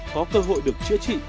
có cơ hội được chữa trị